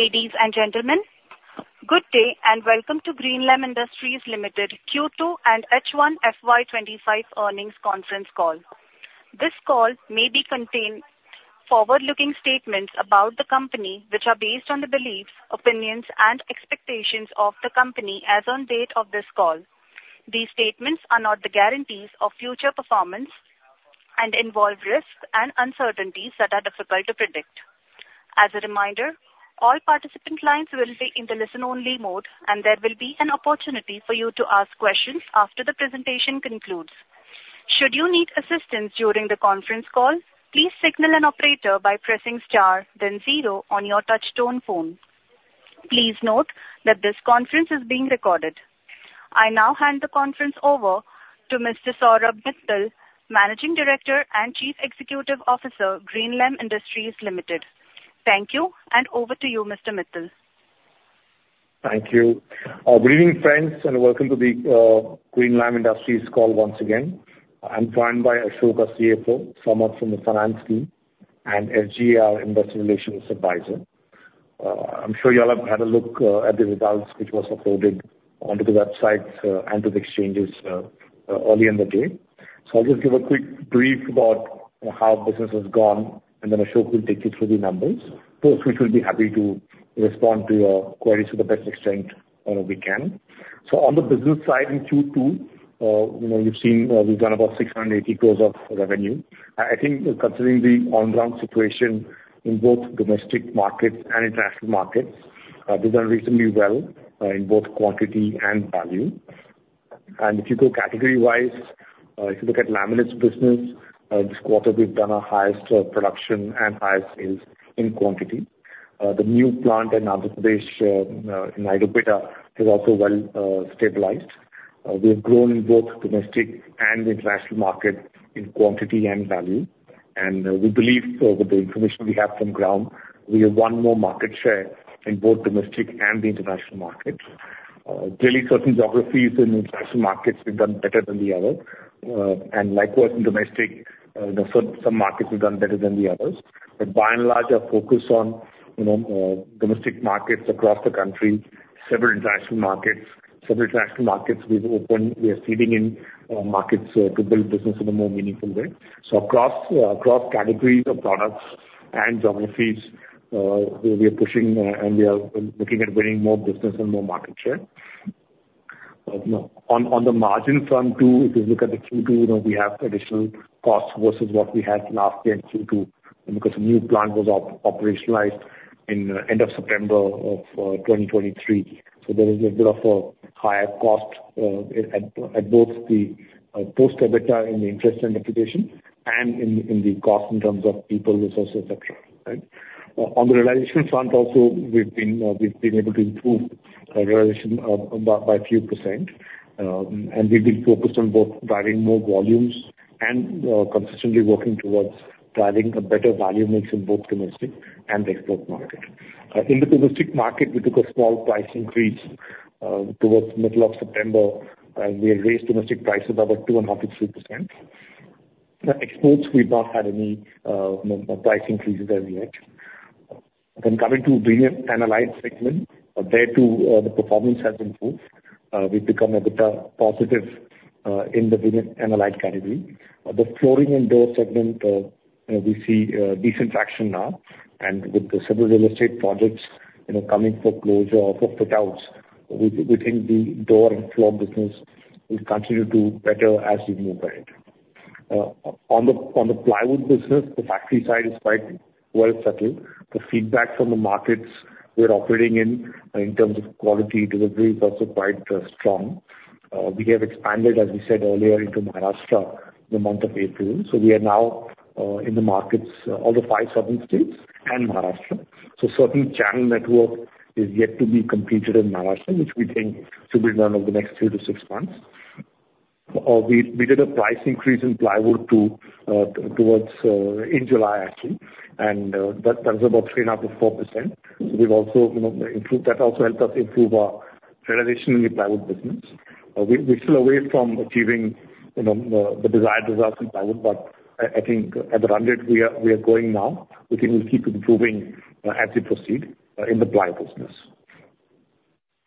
Ladies and gentlemen, good day, and welcome to Greenlam Industries Limited Q2 and H1 FY twenty-five earnings conference call. This call may contain forward-looking statements about the company, which are based on the beliefs, opinions, and expectations of the company as on date of this call. These statements are not the guarantees of future performance and involve risks and uncertainties that are difficult to predict. As a reminder, all participant lines will be in the listen-only mode, and there will be an opportunity for you to ask questions after the presentation concludes. Should you need assistance during the conference call, please signal an operator by pressing star then zero on your touchtone phone. Please note that this conference is being recorded. I now hand the conference over to Mr. Saurabh Mittal, Managing Director and Chief Executive Officer, Greenlam Industries Limited. Thank you, and over to you, Mr. Mittal. Thank you. Good evening, friends, and welcome to the Greenlam Industries call once again. I'm joined by Ashok, our CFO, Samar from the finance team, and SGA, our investor relations advisor. I'm sure you all have had a look at the results, which was uploaded onto the website and to the exchanges early in the day. So I'll just give a quick brief about how business has gone, and then Ashok will take you through the numbers. Of course, we shall be happy to respond to your queries to the best extent we can. So on the business side, in Q2, you know, you've seen we've done about 680 crores of revenue. I think considering the onground situation in both domestic markets and international markets, we've done reasonably well in both quantity and value. If you go category-wise, if you look at laminates business, this quarter, we've done our highest production and highest sales in quantity. The new plant in Andhra Pradesh, in Naidupeta, is also well stabilized. We have grown in both domestic and international market in quantity and value, and we believe with the information we have from ground, we have won more market share in both domestic and the international markets. In certain geographies in international markets we've done better than the other, and likewise in domestic, some markets we've done better than the others. But by and large, our focus on, you know, domestic markets across the country, several international markets. Several international markets we've opened, we are seeding in markets to build business in a more meaningful way. So across categories of products and geographies, we are pushing and we are looking at winning more business and more market share. You know, on the margin front, too, if you look at the Q2, you know, we have additional costs versus what we had last year in Q2, and because the new plant was operationalized in end of September of 2023. So there is a bit of a higher cost at both the post-EBITDA in the interest and depreciation and in the cost in terms of people, resources, et cetera, right? On the realization front, also, we've been able to improve realization by a few percentage. And we've been focused on both driving more volumes and consistently working towards driving a better value mix in both domestic and the export market. In the domestic market, we took a small price increase towards middle of September, and we have raised domestic prices about 2.5%-3%. In the exports, we've not had any, no price increases as yet. Then coming to veneer and allied segment, there too the performance has improved. We've become a bit positive in the veneer and allied category. The flooring and door segment we see decent action now, and with the several real estate projects, you know, coming for closure or for fit outs, we think the door and floor business will continue to do better as we move ahead. On the plywood business, the factory side is quite well settled. The feedback from the markets we're operating in, in terms of quality, delivery, is also quite strong. We have expanded, as we said earlier, into Maharashtra, in the month of April. So we are now in the markets all the five southern states and Maharashtra. So certain channel network is yet to be completed in Maharashtra, which we think should be done over the next three to six months. We did a price increase in plywood, too, towards in July, actually, and that was about 3.5%-4%. We've also, you know, improved. That also helped us improve our realization in the plywood business. We're still away from achieving, you know, the desired results in plywood, but I think at the run rate we are going now, we think we'll keep improving as we proceed in the plywood business.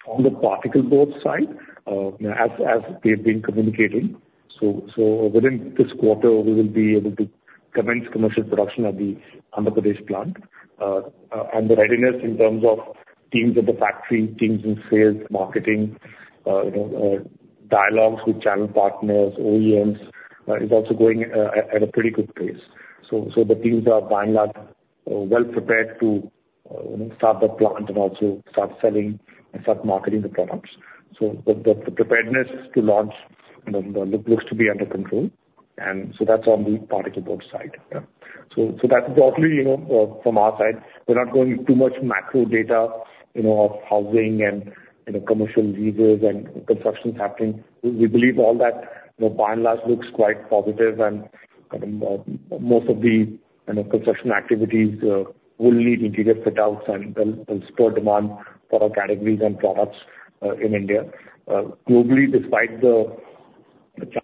On the particleboard side, you know, as we've been communicating, so within this quarter, we will be able to commence commercial production at the Andhra Pradesh plant. And the readiness in terms of teams at the factory, teams in sales, marketing, you know, dialogues with channel partners, OEMs, is also going at a pretty good pace. So the teams are, by and large, well prepared to start the plant and also start selling and start marketing the products. So the preparedness to launch, you know, looks to be under control. And so that's on the particleboard side. Yeah. So that's broadly, you know, from our side. We're not going too much macro data, you know, of housing and, you know, commercial leases and construction happening. We believe all that, you know, by and large, looks quite positive, and most of the, you know, construction activities will need interior fit outs and spur demand for our categories and products in India. Globally, despite the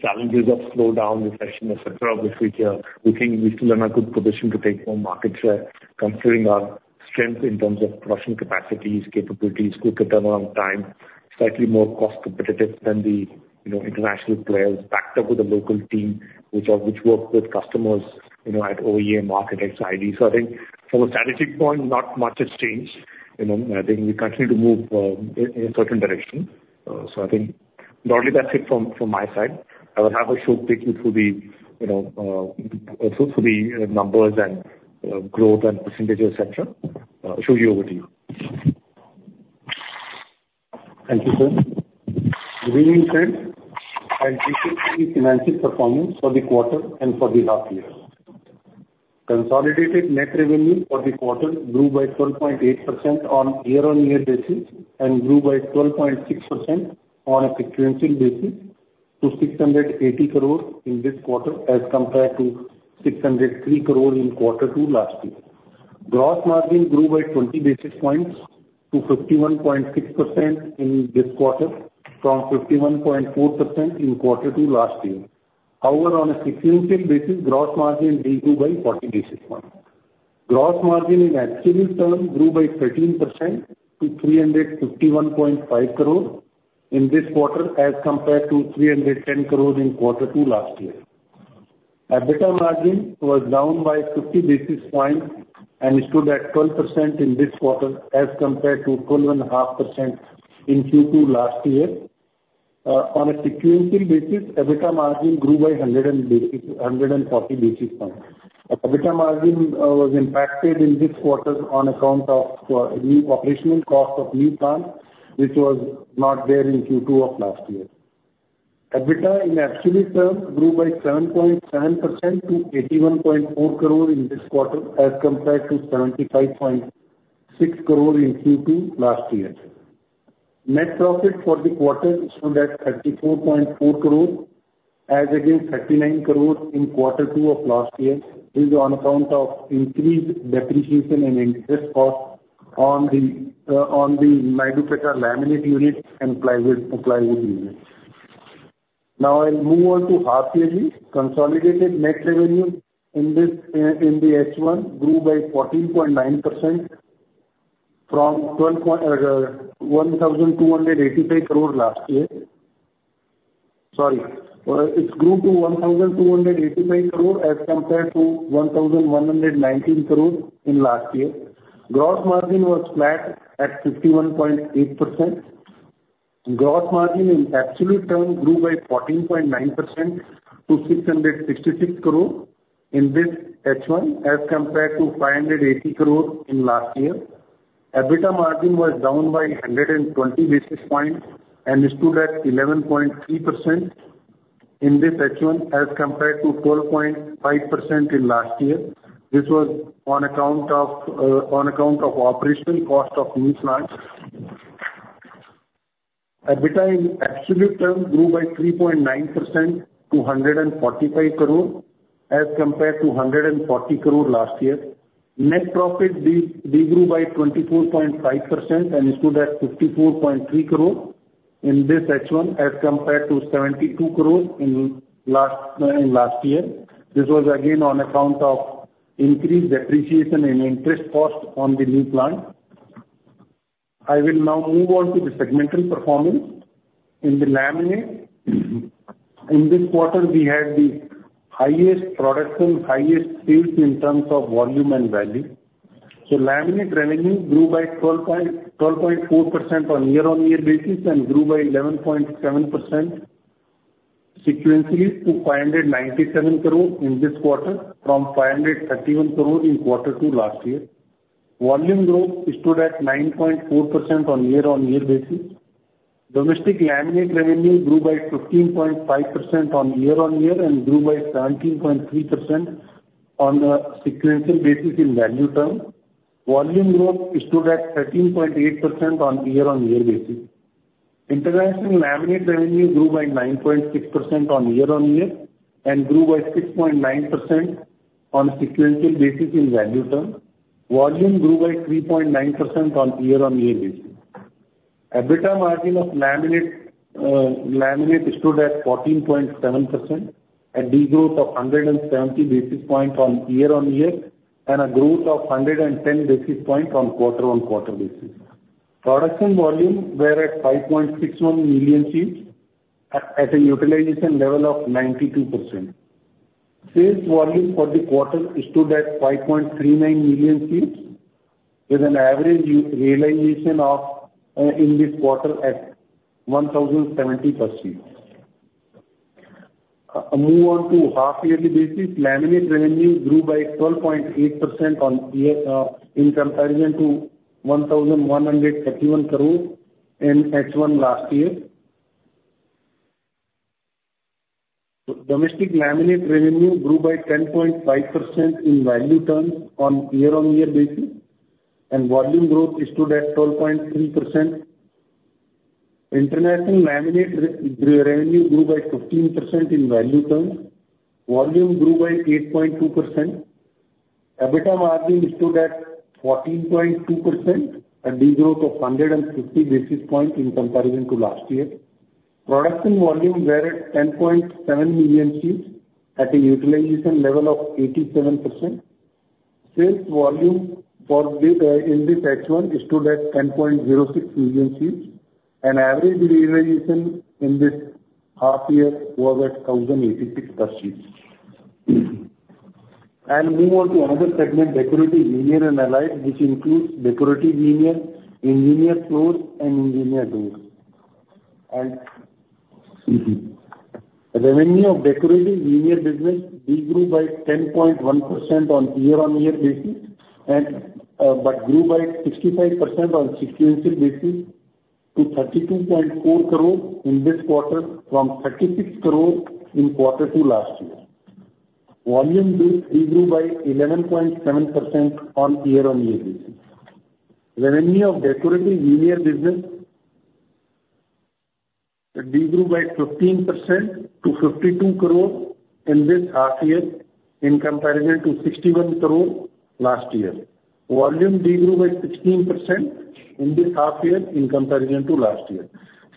challenges of slowdown, recession, et cetera, which we feel, we think we're still in a good position to take more market share, considering our strength in terms of production capacities, capabilities, quicker turnaround time, slightly more cost competitive than the, you know, international players, backed up with a local team which works with customers, you know, at OEM market X, Y, Z. So I think from a strategic point, not much has changed, you know. I think we continue to move in a certain direction. So I think broadly, that's it from my side. I will have Ashu take you through the, you know, through the numbers and growth and percentages, et cetera. Ashu, over to you. Thank you, sir. Revenue trend and financial performance for the quarter and for the half year. Consolidated net revenue for the quarter grew by 12.8% on year-on-year basis, and grew by 12.6% on a sequential basis, to 680 crores in this quarter, as compared to 603 crores in Quarter Two last year. Gross margin grew by 20 basis points to 51.6% in this quarter, from 51.4% in Quarter Two last year. However, on a sequential basis, gross margin de-grew by 40 basis points. Gross margin in absolute terms grew by 13% to 351.5 crores in this quarter, as compared to 310 crores in Quarter Two last year. EBITDA margin was down by 50 basis points and stood at 12% in this quarter, as compared to 12.5% in Q2 last year. On a sequential basis, EBITDA margin grew by 140 basis points. EBITDA margin was impacted in this quarter on account of new operational cost of new plant, which was not there in Q2 of last year. EBITDA in absolute terms grew by 7.7% to 81.4 crores in this quarter, as compared to 75.6 crores in Q2 last year. Net profit for the quarter stood at 34.4 crores, as against 39 crores in Quarter Two of last year. This is on account of increased depreciation and interest cost on the melamine laminate unit and plywood unit. Now, I'll move on to half yearly. Consolidated net revenue in this H1 grew by 14.9% from twelve point 1,285 crores last year. Sorry, it grew to 1,285 crores as compared to 1,119 crores in last year. Gross margin was flat at 51.8%. Gross margin in absolute terms grew by 14.9% to 666 crores in this H1, as compared to 580 crores in last year. EBITDA margin was down by 120 basis points, and stood at 11.3% in this H1, as compared to 12.5% in last year. This was on account of operational cost of new plants. EBITDA in absolute terms grew by 3.9% to 145 crores, as compared to 140 crores last year. Net profit degrew by 24.5% and stood at 54.3 crores in this H1, as compared to 72 crores in last year. This was again on account of increased depreciation and interest cost on the new plant. I will now move on to the segmental performance. In the laminate, in this quarter, we had the highest production, highest sales in terms of volume and value. So laminate revenue grew by 12.4% on year-on-year basis, and grew by 11.7% sequentially to 597 crores in this quarter, from 531 crores in Quarter Two last year. Volume growth stood at 9.4% on year-on-year basis. Domestic laminate revenue grew by 15.5% year-on-year, and grew by 17.3% on a sequential basis in value terms. Volume growth stood at 13.8% on year-on-year basis. International laminate revenue grew by 9.6% year-on-year, and grew by 6.9% on a sequential basis in value terms. Volume grew by 3.9% year-on-year basis. EBITDA margin of laminate, laminate stood at 14.7%, a de-growth of 117 basis points year-on-year, and a growth of 110 basis points on quarter-on-quarter basis. Production volume were at 5.61 million sheets at a utilization level of 92%. Sales volume for the quarter stood at 5.39 million sheets, with an average realization of in this quarter at 1,070 per sheet. Move on to half yearly basis. Laminate revenue grew by 12.8% on year in comparison to 1,131 crores in H1 last year. Domestic laminate revenue grew by 10.5% in value terms on year-on-year basis, and volume growth stood at 12.3%. International laminate revenue grew by 15% in value terms. Volume grew by 8.2%. EBITDA margin stood at 14.2%, a de-growth of 150 basis points in comparison to last year. Production volumes were at 10.7 million sheets, at a utilization level of 87%. Sales volume for this in this H1 stood at 10.06 million sheets, and average realization in this half year was at 1,086 per sheet. I'll move on to another segment, decorative veneer and allied, which includes decorative veneer, engineered flooring and engineered doors, and revenue of decorative veneer business de-grew by 10.1% on year-on-year basis and but grew by 65% on sequential basis to 32.4 crore in this quarter, from 36 crore in quarter two last year. Volume de-grew by 11.7% on year-on-year basis. Revenue of decorative veneer business de-grew by 15% to 52 crore in this half year, in comparison to 61 crore last year. Volume de-grew by 16% in this half year, in comparison to last year.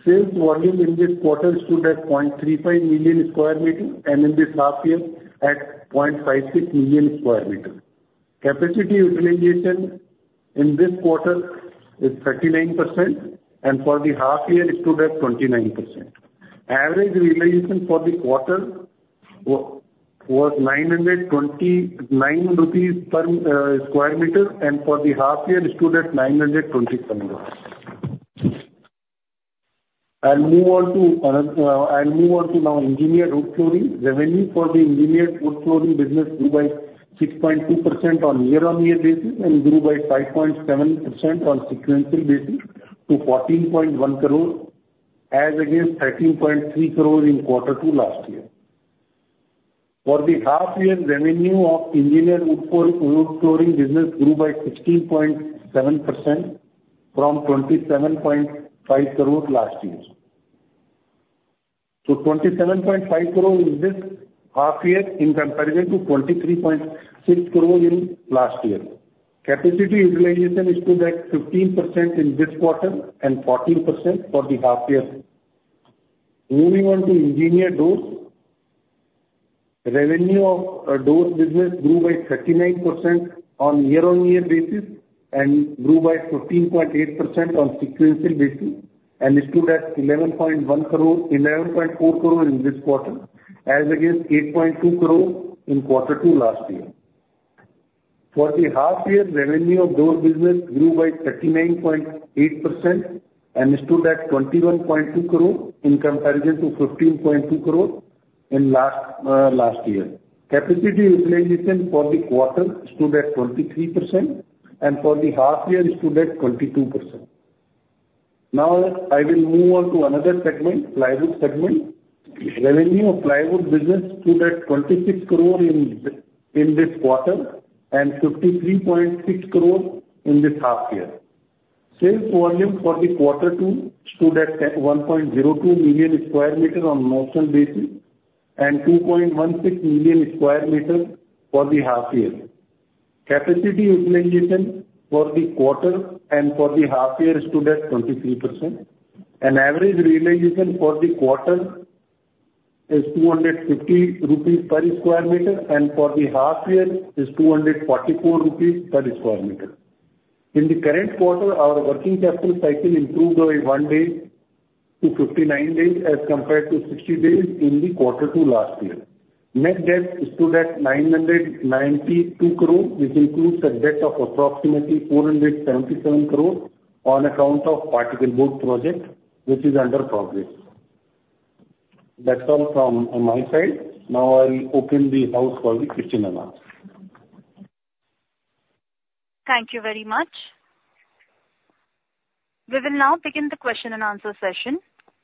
Sales volume in this quarter stood at 0.35 million square meter, and in this half year, at 0.56 million square meter. Capacity utilization in this quarter is 39%, and for the half year stood at 29%. Average realization for the quarter was 929 rupees per square meter, and for the half year stood at 927 rupees. I'll move on to engineered wood flooring. Revenue for the engineered wood flooring business grew by 6.2% on year-on-year basis and grew by 5.7% on sequential basis, to 14.1 crore as against 13.3 crore in quarter two last year. For the half year, revenue of engineered wood flooring business grew by 16.7% from INR 27.5 crore last year. INR 27.5 crore in this half year in comparison to INR 23.6 crore in last year. Capacity utilization stood at 15% in this quarter, and 14% for the half year. Moving on to engineered doors. Revenue of doors business grew by 39% on year-on-year basis, and grew by 15.8% on sequential basis, and stood at INR 11.4 crore in this quarter, as against INR 8.2 crore in quarter two last year. For the half year, revenue of doors business grew by 39.8% and stood at INR 21.2 crore, in comparison to INR 15.2 crore in last year. Capacity utilization for the quarter stood at 23%, and for the half year stood at 22%. Now, I will move on to another segment, plywood segment. Revenue of plywood business stood at 26 crore in this quarter, and 53.6 crore in this half year. Sales volume for the quarter two stood at 101.02 million sq meter on notional basis, and 2.16 million sq meter for the half year. Capacity utilization for the quarter and for the half year stood at 23%, and average realization for the quarter is 250 rupees per sq meter, and for the half year is 244 rupees per sq meter. In the current quarter, our working capital cycle improved by one day to 59 days, as compared to 60 days in the quarter two last year. Net debt stood at 992 crore, which includes a debt of approximately 477 crore on account of particleboard project, which is in progress. That's all from my side. Now, I'll open the floor for the question and answer. Thank you very much. We will now begin the question and answer session.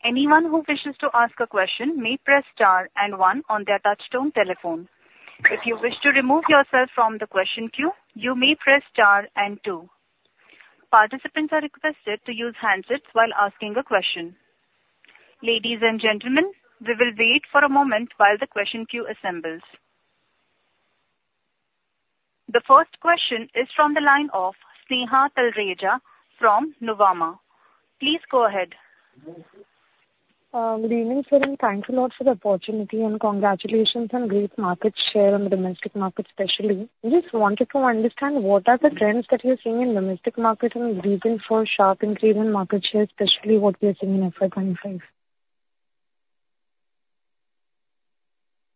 Anyone who wishes to ask a question may press star and one on their touchtone telephone. If you wish to remove yourself from the question queue, you may press star and two. Participants are requested to use handsets while asking a question. Ladies and gentlemen, we will wait for a moment while the question queue assembles. The first question is from the line of Sneha Talreja from Nuvama. Please go ahead. Good evening, sir, and thanks a lot for the opportunity, and congratulations on great market share in the domestic market, especially. I just wanted to understand, what are the trends that you're seeing in domestic market, and the reason for sharp increase in market share, especially what you are seeing in FY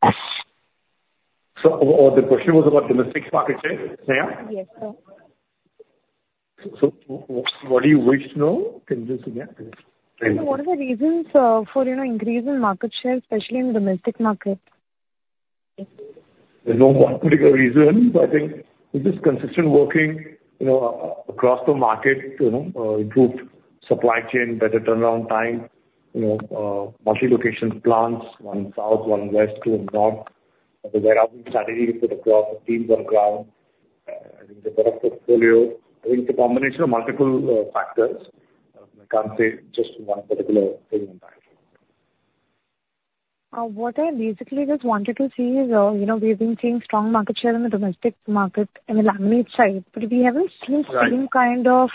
2025? The question was about domestic market share, Sneha? Yes, sir. So, what do you wish to know? Can you just again please- What are the reasons, you know, for increase in market share, especially in the domestic market? There's no one particular reason. I think it's just consistent working, you know, across the market, you know, improved supply chain, better turnaround time, you know, multi-location plants, one south, one west, two in north. The warehousing strategy put across, the teams on ground, and the product portfolio. I think it's a combination of multiple factors. I can't say just one particular thing right now. What I basically just wanted to see is, you know, we have been seeing strong market share in the domestic market in the laminate side, but we haven't seen Right. Same kind of,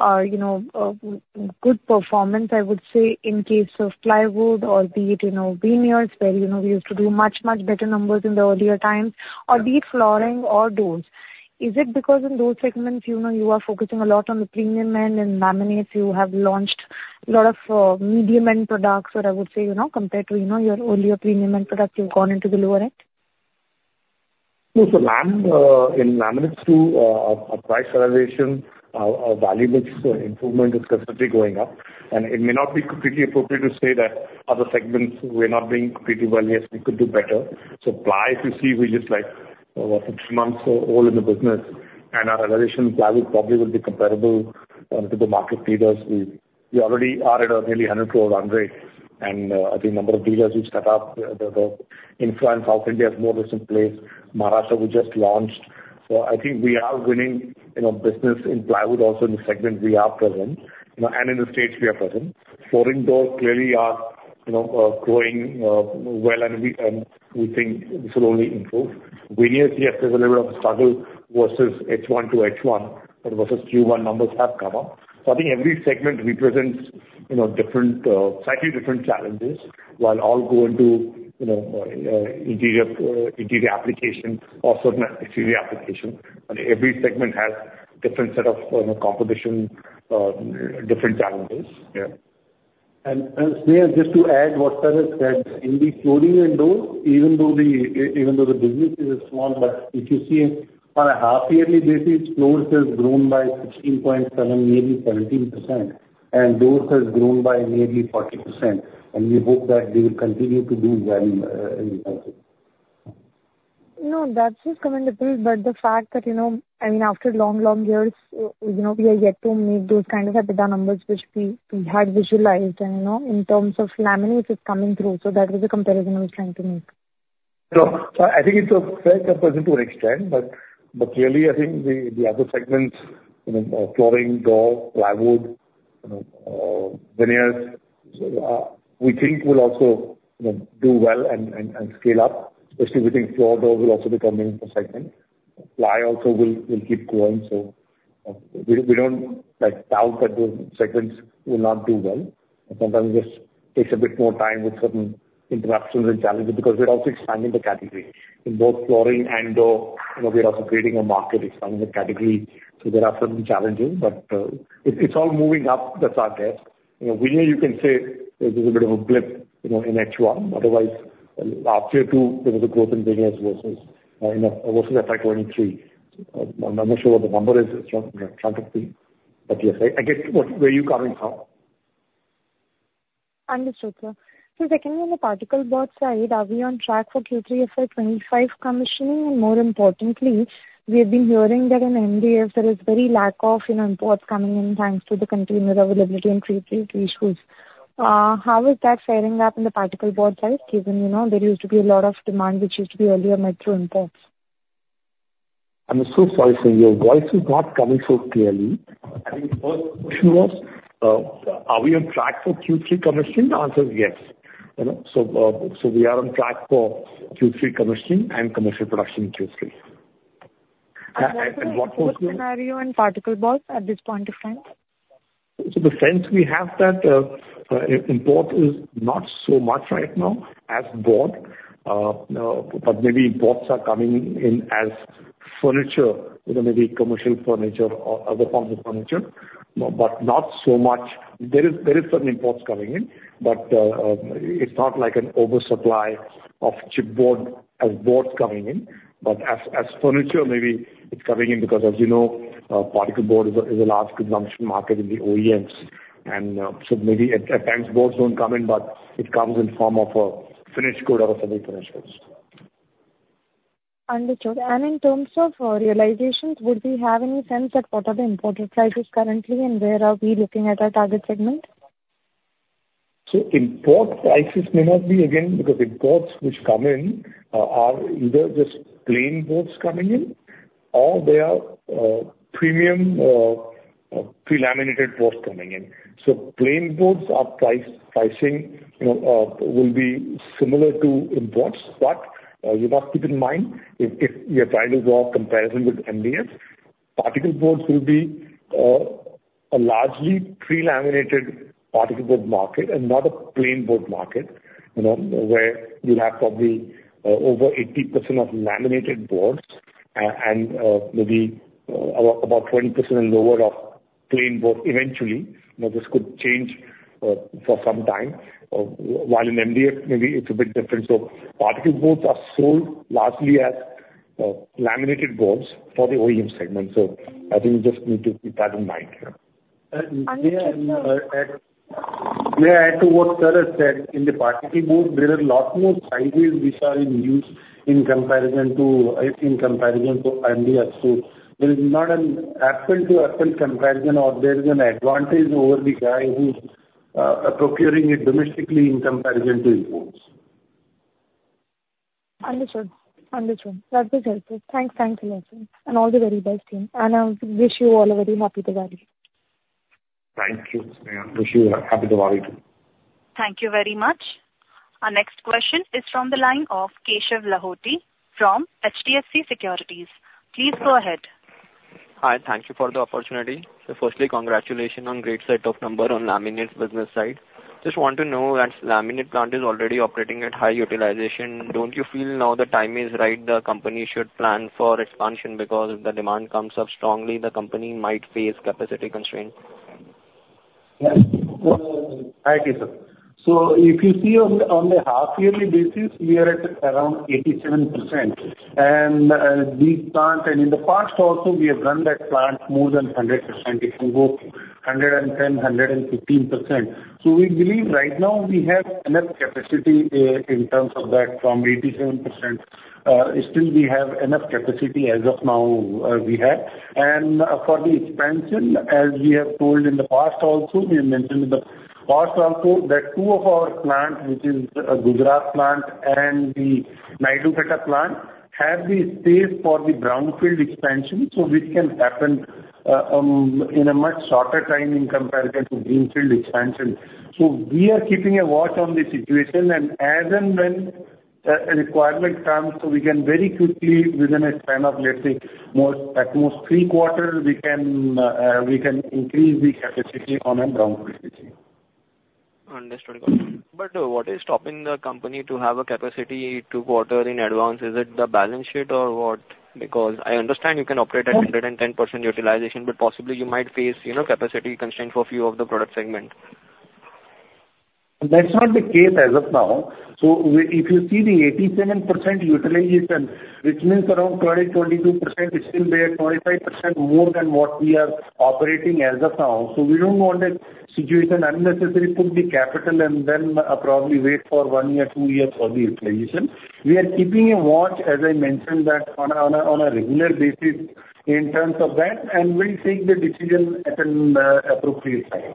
you know, good performance, I would say, in case of plywood or be it, you know, veneers, where, you know, we used to do much, much better numbers in the earlier times or be it flooring or doors. Is it because in those segments, you know, you are focusing a lot on the premium end, and laminates you have launched a lot of medium-end products? Or I would say, you know, compared to, you know, your earlier premium end products, you've gone into the lower end? No, so in laminates too, our price realization, our value mix improvement is constantly going up, and it may not be completely appropriate to say that other segments we're not doing pretty well. Yes, we could do better. So ply, if you see, we're just like what, six months old in the business, and our realization probably will be comparable to the market leaders. We already are at a nearly 100 crore run rate, and I think number of dealers we've set up in South India is more or less in place. Maharashtra, we just launched. So I think we are winning, you know, business in plywood also, in the segments we are present, you know, and in the states we are present. Flooring, doors clearly are, you know, growing well, and we think this will only improve. Veneers, yes, there's a little of a struggle versus H1 to H1, but versus Q1 numbers have come up. So I think every segment represents, you know, different, slightly different challenges, while all go into, you know, interior application or certain interior application. But every segment has different set of, you know, competition, different challenges. Yeah. Neha, just to add what Saurabh said, in the flooring and doors, even though the business is small, but if you see on a half yearly basis, floors has grown by 16.7, maybe 17%, and doors has grown by nearly 40%, and we hope that they will continue to do well, in the future. No, that's commendable, but the fact that, you know, I mean, after long, long years, you know, we are yet to meet those kind of EBITDA numbers which we had visualized, and, you know, in terms of laminates, it's coming through. So that was the comparison I was trying to make. No. So I think it's a fair comparison to an extent, but, but clearly, I think the, the other segments, you know, flooring, door, plywood, you know, veneers, we think will also, you know, do well and, and, and scale up. Especially, we think floor, door will also become a segment. Ply also will keep growing, so, we don't, like, doubt that those segments will not do well. But sometimes it just takes a bit more time with certain interruptions and challenges, because we're also expanding the category. In both flooring and door, you know, we are also creating a market, expanding the category, so there are certain challenges. But, it, it's all moving up. That's our guess. You know, veneer you can say there's a bit of a blip, you know, in H1. Otherwise, after two, there was a growth in business versus, you know, versus FY 2023. I'm not sure what the number is, but yes, I get where you're coming from. Understood, sir. So secondly, on the particleboard side, are we on track for Q3 FY25 commissioning? And more importantly, we have been hearing that in MDF there is very lack of, you know, imports coming in, thanks to the container availability and freight issues. How is that tying up in the particleboard side, given, you know, there used to be a lot of demand which used to be earlier met through imports? I'm so sorry, Sneha, your voice is not coming so clearly. I think first question was, are we on track for Q3 commissioning? The answer is yes. You know, so, so we are on track for Q3 commissioning and commercial production in Q3. And what was your And what is the scenario in particleboard at this point of time? The sense we have that import is not so much right now as board, but maybe boards are coming in as furniture, you know, maybe commercial furniture or other forms of furniture, but not so much. There is some imports coming in, but it's not like an oversupply of chipboard as boards coming in, but as furniture, maybe it's coming in because as you know, particleboard is a large consumption market in the OEMs, and so maybe at times boards don't come in, but it comes in form of a finished good or a semi-finished goods. Understood. And in terms of realizations, would we have any sense that what are the imported prices currently, and where are we looking at our target segment? So import prices may not be again because imports which come in are either just plain boards coming in or they are premium pre-laminated boards coming in. So plain boards are pricing will be similar to imports. But you must keep in mind if you are trying to draw a comparison with MDF, particleboards will be a largely pre-laminated particleboard market and not a plain board market, you know, where you'll have probably over 80% of laminated boards and maybe about 20% and lower of plain board eventually. You know, this could change for some time while in MDF, maybe it's a bit different. So particleboards are sold largely as laminated boards for the OEM segment. So I think you just need to keep that in mind. Yeah. Understood, sir. May I add to what sir has said? In the particleboard, there are lot more sizes which are in use in comparison to MDF. So there is not an apple-to-apple comparison or there is an advantage over the guy who's procuring it domestically in comparison to imports. Understood. Understood. That is helpful. Thanks. Thanks a lot, sir, and all the very best to you, and I wish you all a very happy Diwali! Thank you, and wish you a happy Diwali, too. Thank you very much. Our next question is from the line of Keshav Lahoti from HDFC Securities. Please go ahead. Hi. Thank you for the opportunity. So firstly, congratulations on great set of numbers on laminate business side. Just want to know that laminate plant is already operating at high utilization. Don't you feel now the time is right, the company should plan for expansion because if the demand comes up strongly, the company might face capacity constraints? Yeah. Thank you, sir. So if you see on the half yearly basis, we are at around 87%. And this plant, in the past also, we have run that plant more than 100%. It can go 110%, 115%. So we believe right now we have enough capacity in terms of that, from 87%. Still we have enough capacity as of now. And for the expansion, as we have told in the past also, we have mentioned in the past also, that two of our plants, which is Gujarat plant and the Naidupeta plant, have the space for the brownfield expansion, so which can happen in a much shorter time in comparison to greenfield expansion. So we are keeping a watch on the situation, and as and when a requirement comes, so we can very quickly, within a span of, let's say, at most three quarters, we can increase the capacity on a brownfield basis. Understood, but what is stopping the company to have capacity two quarters in advance? Is it the balance sheet or what? Because I understand you can operate at 110% utilization, but possibly you might face, you know, capacity constraints for a few of the product segment. That's not the case as of now. So if you see the 87% utilization, which means around twenty, twenty-two percent, still we are 25% more than what we are operating as of now. So we don't want a situation unnecessarily put the capital and then, probably wait for one year, two years for the utilization. We are keeping a watch, as I mentioned, that on a regular basis in terms of that, and we'll take the decision at an appropriate time.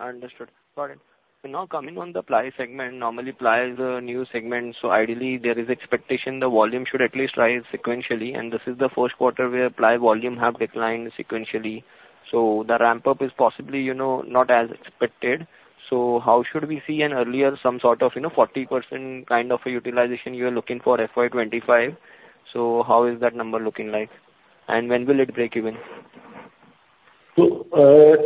Understood. Got it. So now, coming on the ply segment, normally, ply is a new segment, so ideally there is expectation the volume should at least rise sequentially, and this is the first quarter where ply volume have declined sequentially. So the ramp-up is possibly, you know, not as expected. So how should we see an earlier, some sort of, you know, 40% kind of a utilization you are looking for FY25? So how is that number looking like, and when will it break even? So,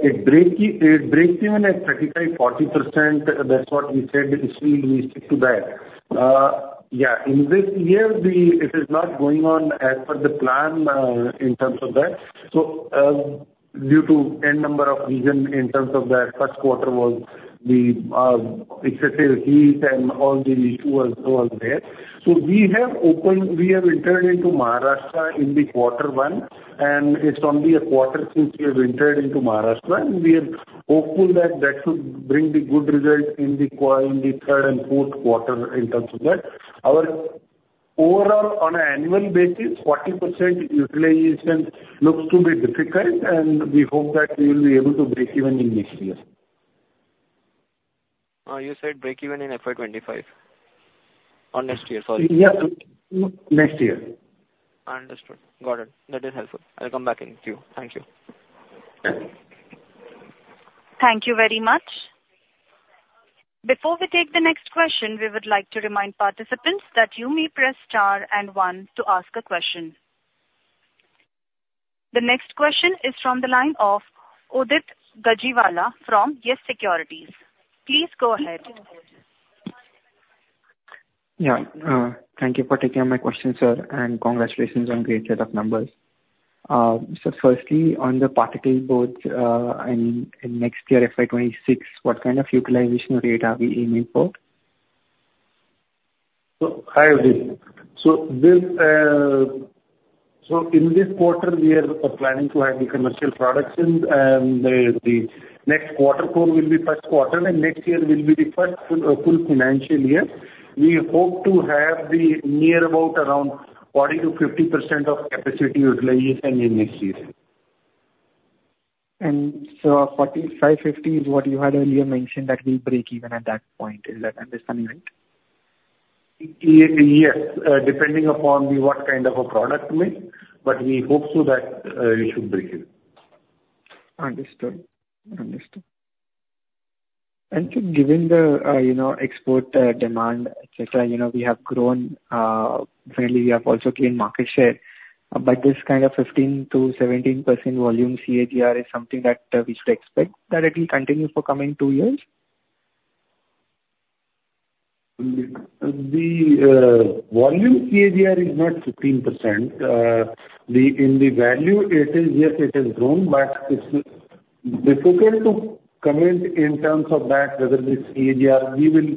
it breaks even at 35%-40%. That's what we said. So we stick to that. Yeah, in this year, it is not going on as per the plan, in terms of that. So, due to n number of reason in terms of that, first quarter was the excessive heat and all the issue also was there. So we have opened, we have entered into Maharashtra in the quarter one, and it's only a quarter since we have entered into Maharashtra, and we are hopeful that that should bring the good result in the third and fourth quarter in terms of that. Our overall, on an annual basis, 40% utilization looks to be difficult, and we hope that we will be able to break even in next year. You said break even in FY 2025 or next year? Sorry. Yeah. Next year. Understood. Got it. That is helpful. I'll come back in queue. Thank you. Thank you. Thank you very much. Before we take the next question, we would like to remind participants that you may press Star and One to ask a question. The next question is from the line of Udit Gajiwala from Yes Securities. Please go ahead. Yeah. Thank you for taking my question, sir, and congratulations on great set of numbers. So firstly, on the particleboard, and next year, FY 2026, what kind of utilization rate are we aiming for? So, hi, Udit. So this, so in this quarter, we are planning to have the commercial production, and the next quarter, Q2, will be first quarter, and next year will be the first full financial year. We hope to have near about around 40%-50% of capacity utilization in next year. And so 45-50 is what you had earlier mentioned, that we break even at that point. Is that understanding, right? Yes, depending upon what kind of a product mix, but we hope so that we should break even. Understood. Understood. And so given the, you know, export demand, et cetera, you know, we have grown fairly, we have also gained market share, but this kind of 15%-17% volume CAGR is something that we should expect that it will continue for coming two years? The volume CAGR is not 15%. In the value, it is, yes, it has grown, but it's difficult to comment in terms of that, whether the CAGR, we will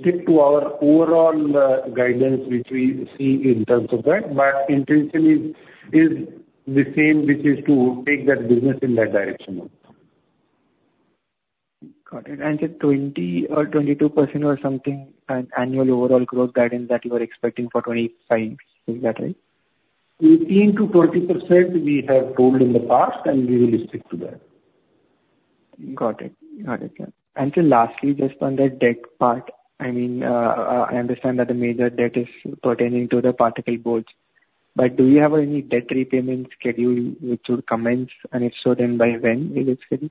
stick to our overall guidance, which we see in terms of that, but intention is the same, which is to take that business in that direction only. Got it. And so 20% or 22% or something, an annual overall growth guidance that you are expecting for 2025, is that right? 18%-20%, we have told in the past, and we will stick to that. Got it. Got it, yeah. And so lastly, just on the debt part, I mean, I understand that the major debt is pertaining to the particleboard, but do you have any debt repayment schedule which would commence, and if so, then by when will it schedule?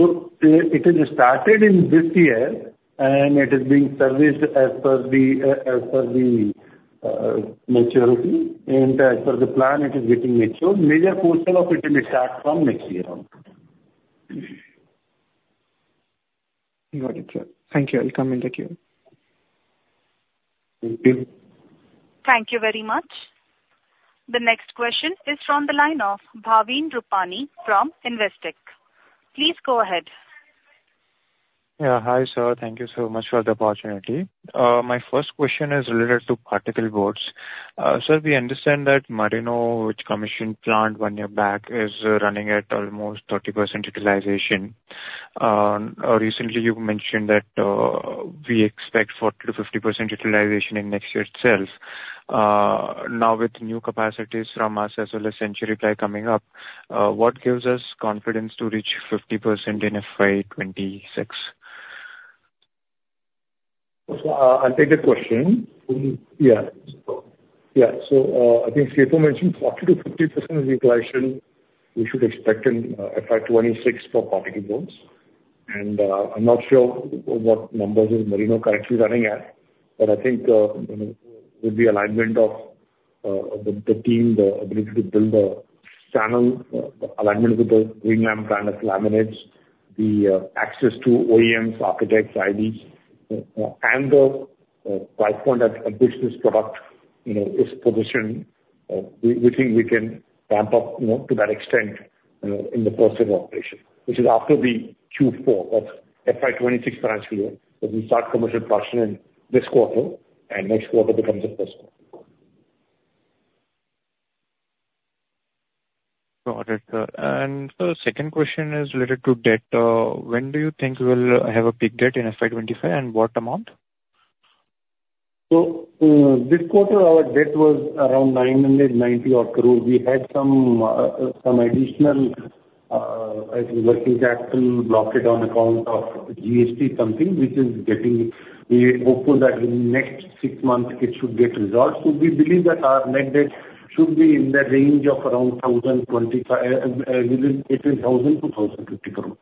It is started in this year, and it is being serviced as per the maturity, and as per the plan, it is getting mature. Major portion of it will start from next year on. Got it, sir. Thank you. I'll come in the queue. Thank you. Thank you very much. The next question is from the line of Bhavin Rupani from Investec. Please go ahead. Yeah, hi, sir. Thank you so much for the opportunity. My first question is related to particle boards. Sir, we understand that Merino, which commissioned plant one year back, is running at almost 30% utilization. Recently you mentioned that we expect 40%-50% utilization in next year itself. Now, with new capacities from us as well as Century Ply coming up, what gives us confidence to reach 50% in FY 26? So, I'll take the question. Yeah. Yeah, so, I think CFO mentioned 40%-50% utilization we should expect in FY 2026 for particle boards. And, I'm not sure what numbers is Merino currently running at, but I think, you know, with the alignment of the team, the ability to build a channel, alignment with the Greenlam brand of laminates, the access to OEMs, architects, IDs, and the price point at which this product, you know, is positioned, we think we can ramp up, you know, to that extent in the course of operation. Which is after the Q4 of FY 2026 financial year, but we start commercial production in this quarter, and next quarter becomes the first quarter. Got it, sir. And sir, second question is related to debt. When do you think we will have a peak debt in FY twenty-five, and what amount? This quarter our debt was around 990 crore. We had some additional, I think, working capital blocked on account of GST, something which is getting resolved. We are hopeful that in next six months, it should get resolved. We believe that our net debt should be in the range of around 1,025 crore, within between 1,000 crore-1,050 crore.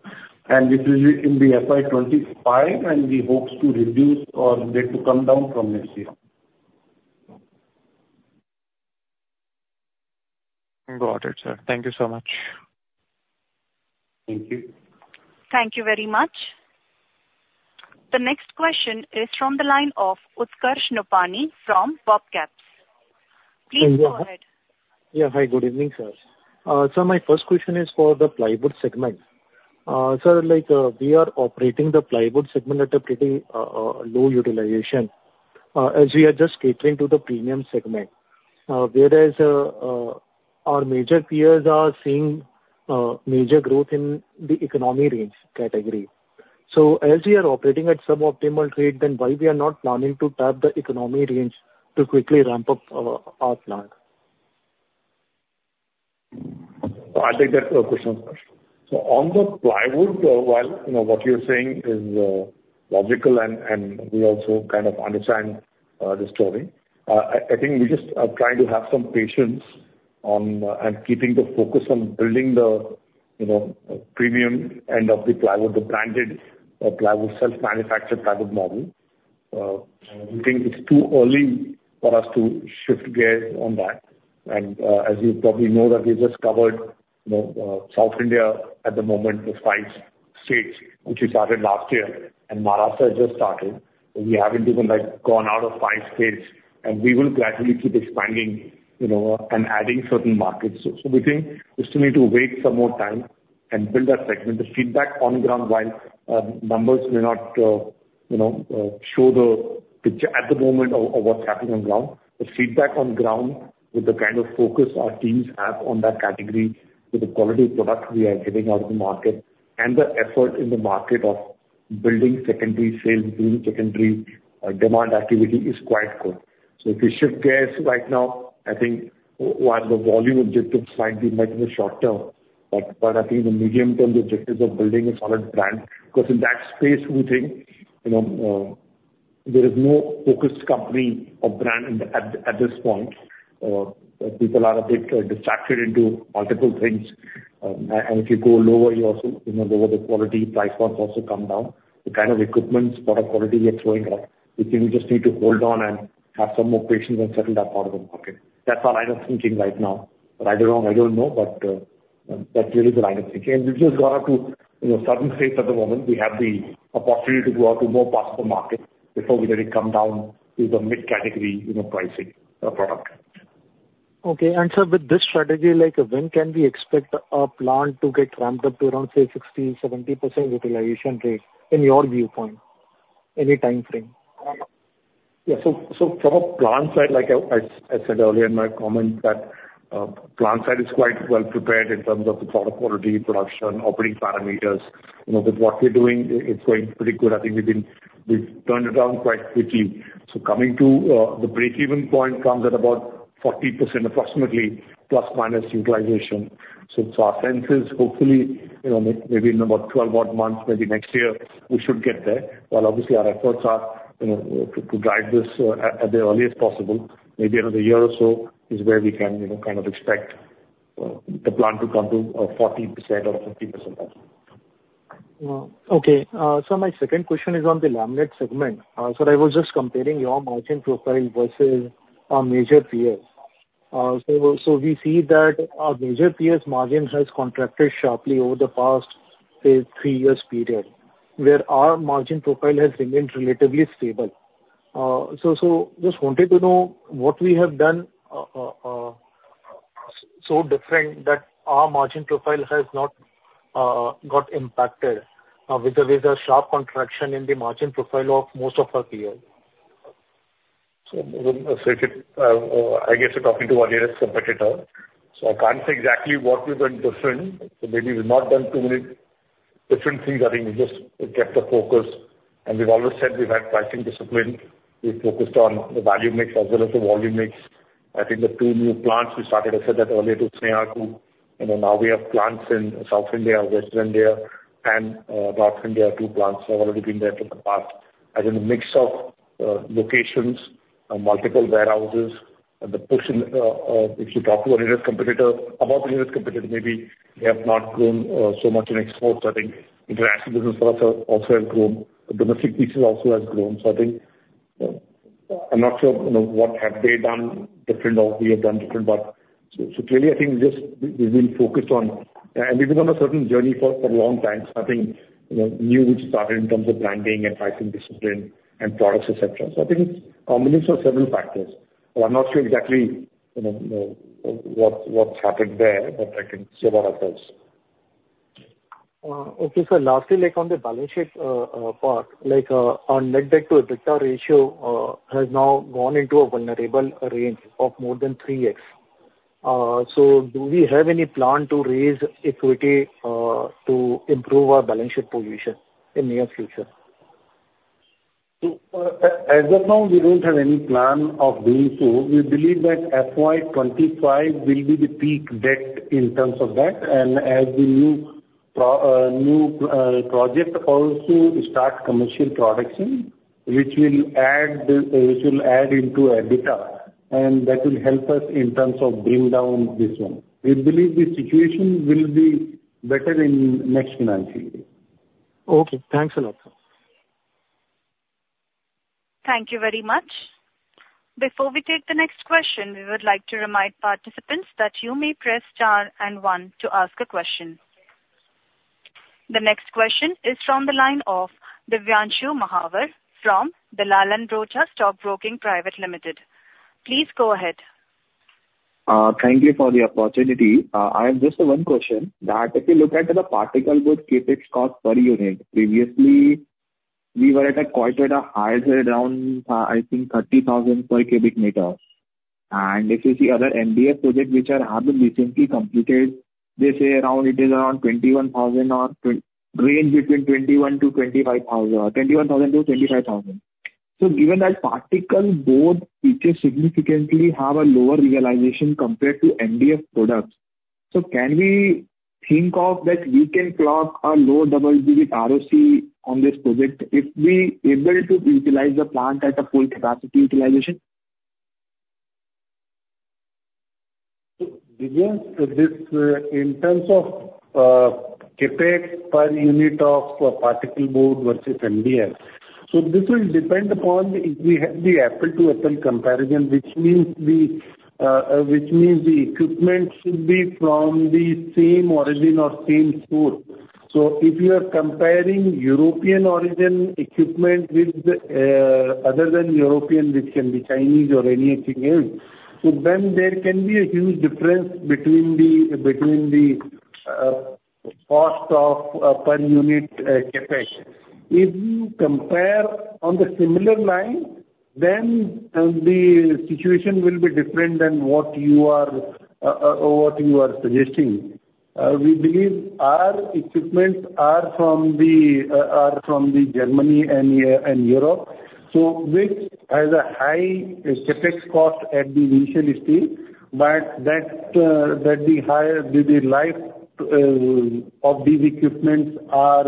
This is in the FY25, and we hope to reduce our debt to come down from next year. Got it, sir. Thank you so much. Thank you. Thank you very much. The next question is from the line of Utkarsh Nopany from BOBCAPS. Please go ahead. Yeah. Hi, good evening, sir. Sir, my first question is for the plywood segment. Sir, like, we are operating the plywood segment at a pretty low utilization, as we are just catering to the premium segment, whereas our major peers are seeing major growth in the economy range category. So as we are operating at suboptimal rate, then why we are not planning to tap the economy range to quickly ramp up our plant? I'll take that question first. So on the plywood, while you know what you're saying is logical, and we also kind of understand the story, I think we just are trying to have some patience on and keeping the focus on building the, you know, premium end of the plywood, the branded plywood, self-manufactured plywood model. We think it's too early for us to shift gears on that, and as you probably know that we just covered, you know, South India at the moment, the five states which we started last year, and Maharashtra has just started. We haven't even, like, gone out of five states, and we will gradually keep expanding, you know, and adding certain markets. So we think we still need to wait some more time and build that segment. The feedback on ground wise, numbers may not, you know, show the picture at the moment of what's happening on ground. The feedback on ground, with the kind of focus our teams have on that category, with the quality of products we are getting out in the market, and the effort in the market of building secondary sales, building secondary demand activity, is quite good. So if we shift gears right now, I think while the volume objectives might be met in the short term, but I think the medium-term objectives of building a solid brand. Because in that space, we think, you know, there is no focused company or brand at this point. People are a bit distracted into multiple things. And if you go lower, you also, you know, lower the quality, price points also come down. The kind of equipment, product quality we are throwing at, we think we just need to hold on and have some more patience and settle that part of the market. That's our line of thinking right now. Right or wrong, I don't know, but that's really the line of thinking. And we've just gone up to, you know, certain states at the moment. We have the opportunity to go out to more parts of the market before we really come down to the mid-category, you know, pricing, product. Okay. And sir, with this strategy, like, when can we expect our plant to get ramped up to around, say, 60-70% utilization rate, in your viewpoint? Any timeframe? Yeah, so from a plant side, like I said earlier in my comment, that plant side is quite well prepared in terms of the product quality, production, operating parameters. You know, with what we're doing, it, it's going pretty good. I think we've turned it around quite quickly. So coming to the break-even point comes at about 40%, approximately, plus/minus utilization. So our sense is hopefully, you know, maybe in about 12 odd months, maybe next year, we should get there. While obviously our efforts are, you know, to drive this as early as possible, maybe another year or so is where we can, you know, kind of expect the plant to come to 40% or 50%. Okay. So my second question is on the laminate segment. So I was just comparing your margin profile versus our major peers. So we see that our major peers' margin has contracted sharply over the past, say, three years period, where our margin profile has remained relatively stable. So just wanted to know what we have done so different that our margin profile has not got impacted with the sharp contraction in the margin profile of most of our peers? I guess you're talking to one direct competitor, so I can't say exactly what we've done different. So maybe we've not done too many different things. I think we just kept the focus, and we've always said we've had pricing discipline. We've focused on the value mix as well as the volume mix. I think the two new plants we started. I said that earlier to Sneha, too, you know. Now we have plants in South India, West India, and North India. Two plants have already been there for the past. I think a mix of locations, multiple warehouses, and the person if you talk to a nearest competitor about the nearest competitor. Maybe they have not grown so much in exports. I think international business for us has also grown. The domestic piece also has grown. So I think I'm not sure, you know, what have they done different or we have done different, but so clearly, I think just we, we've been focused on. And we've been on a certain journey for a long time. So I think, you know, we've started in terms of branding and pricing discipline and products, et cetera. So I think it's a combination of several factors, but I'm not sure exactly, you know, what's happened there, but I can say about ourselves. Okay, sir. Lastly, like on the balance sheet part, like, our net debt to EBITDA ratio has now gone into a vulnerable range of more than 3x. So do we have any plan to raise equity to improve our balance sheet position in near future? So, as of now, we don't have any plan of doing so. We believe that FY25 will be the peak debt in terms of that. And as the new project also starts commercial production, which will add into EBITDA, and that will help us in terms of bring down this one. We believe the situation will be better in next nine period. Okay. Thanks a lot, sir. Thank you very much. Before we take the next question, we would like to remind participants that you may press star and one to ask a question. The next question is from the line of Divyanshi Mahavar from the Dalal & Broacha Stockbroking Private Limited. Please go ahead. Thank you for the opportunity. I have just one question, that if you look at the particleboard CapEx cost per unit, previously we were at a quarter higher, around, I think, thirty thousand per cubic meter. And if you see other MDF projects which are, have been recently completed, they say around, it is around twenty-one thousand, range between twenty-one to twenty-five thousand. So given that particleboard fetches significantly have a lower realization compared to MDF products, so can we think of that we can clock a low double-digit ROC on this project if we able to utilize the plant at a full capacity utilization? So Divyanshi, this in terms of CapEx per unit of particleboard versus MDF. So this will depend upon the apple-to-apple comparison, which means the equipment should be from the same origin or same source. So if you are comparing European origin equipment with other than European, which can be Chinese or anything else, so then there can be a huge difference between the cost per unit CapEx. If you compare on the similar line, then the situation will be different than what you are suggesting. We believe our equipment are from Germany and Europe, so which has a high CapEx cost at the initial stage, but that the higher life of these equipments are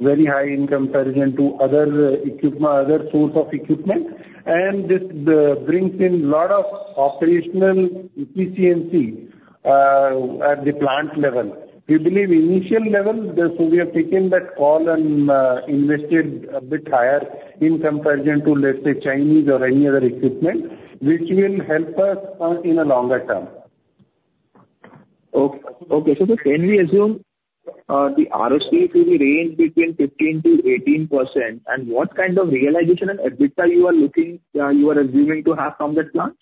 very high in comparison to other equipment, other source of equipment, and this brings in a lot of operational efficiency at the plant level. We believe initial level, so we have taken that call and invested a bit higher in comparison to, let's say, Chinese or any other equipment, which will help us in the longer term. Okay. So can we assume the ROC will range between 15% to 18%? And what kind of realization and EBITDA you are looking, you are assuming to have from that plant?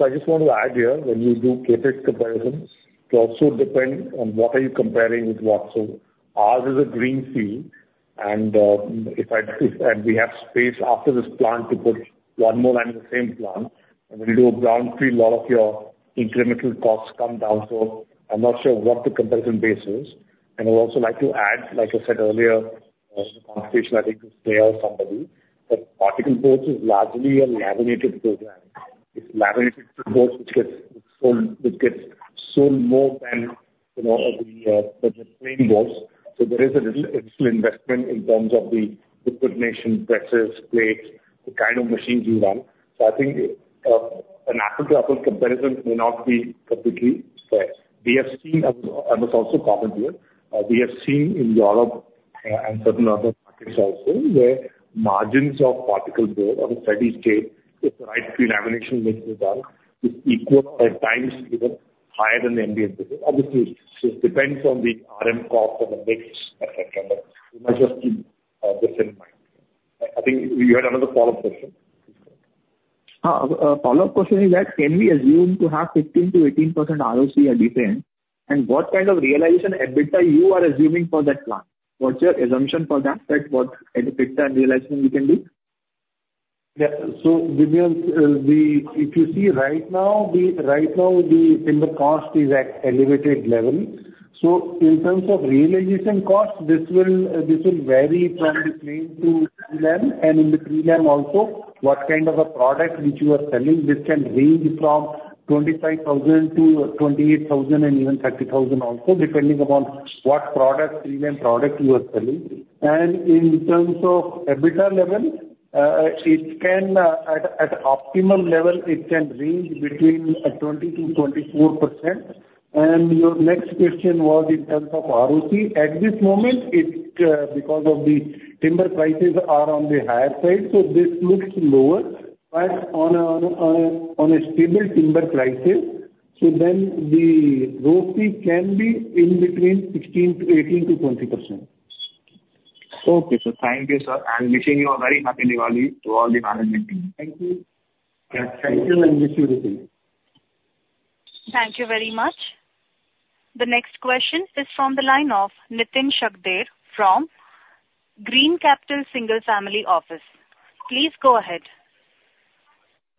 So I just want to add here, when you do CapEx comparisons, it also depends on what are you comparing with what. So ours is a greenfield, and we have space after this plant to put one more line in the same plant. And when you do a brownfield, a lot of your incremental costs come down, so I'm not sure what the comparison base is. And I'd also like to add, like I said earlier, in conversation, I think it was clear somebody, that particle boards is largely a laminated program. It's laminated boards, which gets sold, which gets sold more than, you know, every, than the plain boards. So there is a little extra investment in terms of the equipment, presses, plates, the kind of machines you run. So I think, an apple-to-apple comparison may not be completely fair. We have seen. I must also comment here. We have seen in Europe and certain other markets also, where margins of particleboard on a steady state, if the right pre-lamination mix is done, is equal or at times even higher than the MDF. Obviously, it depends on the RM costs and the mix, et cetera, but you must just keep this in mind. I think you had another follow-up question. Follow-up question is that, can we assume to have 15%-18% ROC at the end? And what kind of realization EBITDA you are assuming for that plant? What's your assumption for that? That's what, EBITDA realization we can do. Yeah. So, Bhavin, if you see right now, the timber cost is at elevated level. So in terms of realization costs, this will vary from the plain to prelam, and in the prelam also, what kind of a product which you are selling, this can range from 25,000-28,000 and even 30,000 also, depending upon what product, prelam product you are selling. And in terms of EBITDA level, it can, at optimal level, it can range between 20%-24%. And your next question was in terms of ROC. At this moment, it's because of the timber prices are on the higher side, so this looks lower. On a stable timber prices, so then the ROC can be in between 16% to 18% to 20%. Okay, sir. Thank you, sir, and wishing you a very happy Diwali to all the management team. Thank you. Yeah, thank you, and wish you the same. Thank you very much. The next question is from the line of Nitin Shakdher from Green Capital Single Family Office. Please go ahead.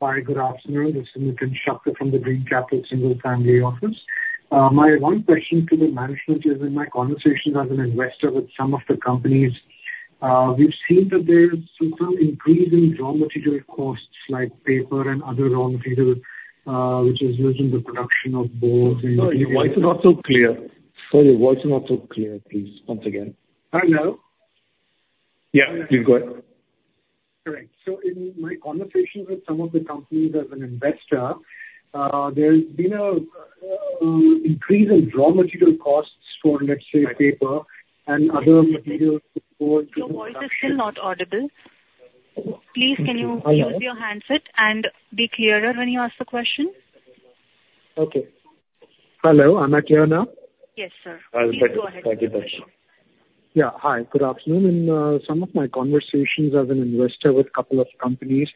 Hi, good afternoon. This is Nitin Shakder from the Green Capital Single Family Office. My one question to the management is, in my conversations as an investor with some of the companies, we've seen that there's some increase in raw material costs, like paper and other raw material, which is raising the production of both Sorry, your voice is not so clear. Sorry, your voice is not so clear. Please, once again. Hello? Yeah, please go ahead. All right. So in my conversations with some of the companies as an investor, there's been an increase in raw material costs for, let's say, paper and other materials to go into production. Your voice is still not audible. Please, can you use your handset and be clearer when you ask the question? Okay. Hello, am I clear now? Yes, sir. Much better. You go ahead. Thank you, better. Yeah. Hi, good afternoon. In some of my conversations as an investor with a couple of companies,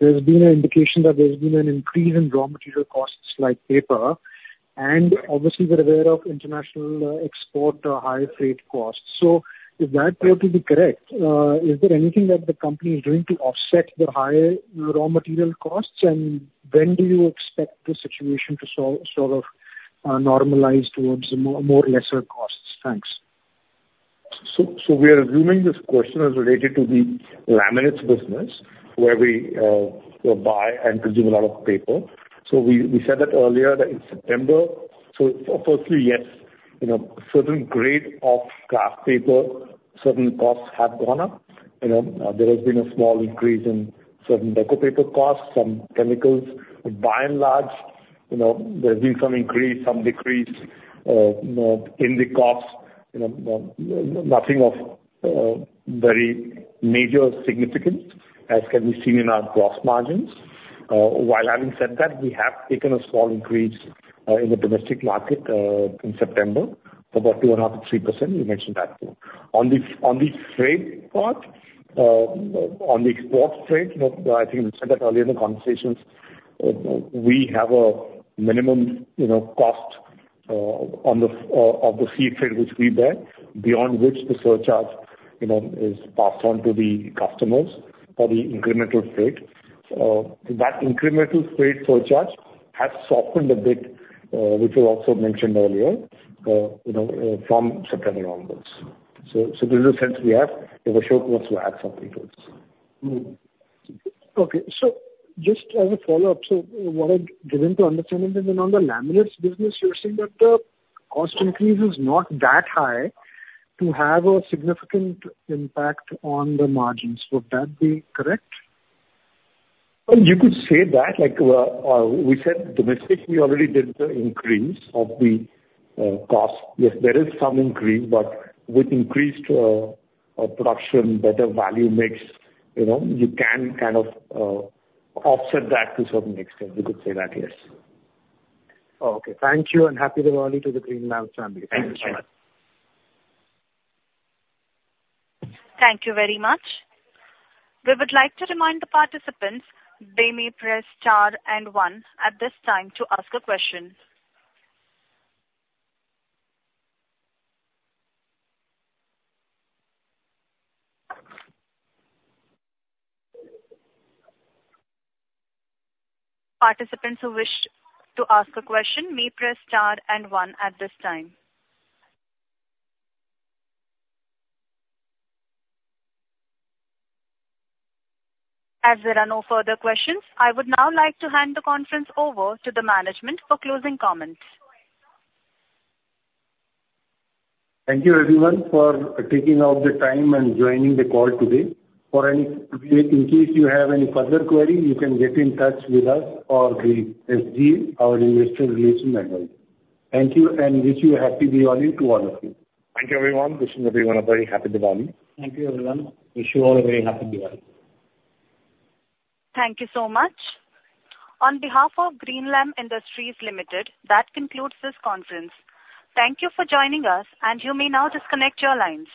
there's been an indication that there's been an increase in raw material costs, like paper, and obviously we're aware of international export high freight costs. So if that were to be correct, is there anything that the company is doing to offset the higher raw material costs? And when do you expect the situation to sort of normalize towards more lesser costs? Thanks. We are assuming this question is related to the laminates business, where we buy and consume a lot of paper. We said that earlier, that in September. Firstly, yes, you know, certain grade of kraft paper, certain costs have gone up. You know, there has been a small increase in certain deco paper costs, some chemicals. But by and large, you know, there's been some increase, some decrease, you know, in the costs, you know, nothing of very major significance, as can be seen in our gross margins. While having said that, we have taken a small increase in the domestic market in September, about 2.5%-3%, we mentioned that too. On the freight part, on the export freight, you know, I think we said that earlier in the conversations. We have a minimum, you know, cost on the FOB of the sea freight which we bear, beyond which the surcharge, you know, is passed on to the customers for the incremental freight. That incremental freight surcharge has softened a bit, which we also mentioned earlier, you know, from September onwards. So this is the sense we have. If Ashok wants to add something else. Okay. So just as a follow-up, so what I've given to understanding is that on the laminates business, you're saying that the cost increase is not that high to have a significant impact on the margins. Would that be correct? You could say that. Like, we said domestic, we already did the increase of the cost. Yes, there is some increase, but with increased production, better value mix, you know, you can kind of offset that to some extent. We could say that, yes. Oh, okay. Thank you, and Happy Diwali to the Greenlam family. Thank you so much. Thank you very much. We would like to remind the participants they may press star and one at this time to ask a question. Participants who wish to ask a question may press star and one at this time. As there are no further questions, I would now like to hand the conference over to the management for closing comments. Thank you everyone for taking out the time and joining the call today. For any, in case you have any further query, you can get in touch with us or the SGA, our investor relations manager. Thank you, and wish you a Happy Diwali to all of you. Thank you, everyone. Wishing everyone a very Happy Diwali. Thank you, everyone. Wish you all a very Happy Diwali. Thank you so much. On behalf of Greenlam Industries Limited, that concludes this conference. Thank you for joining us, and you may now disconnect your lines.